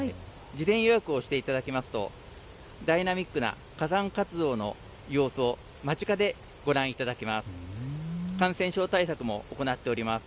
事前予約をしていただくとダイナミックな火山活動の様子を、間近でご覧いただけます。